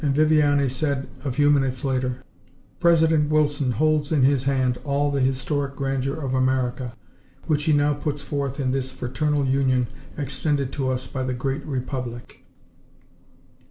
And Viviani said, a few minutes later: "President Wilson holds in his hand all the historic grandeur of America, which he now puts forth in this fraternal union extended to us by the Great Republic."